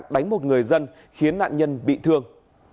đánh một người dân khiến nạn nhân bị thương